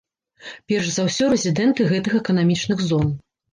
Перш за ўсё, рэзідэнты гэтых эканамічных зон.